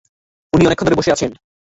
উনি অনেকক্ষণ ধরে বসে আছেন।